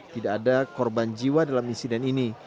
tidak ada korban jiwa dalam insiden ini